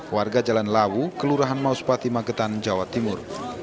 warga jalan lawu kelurahan mauspati magetan jawa timur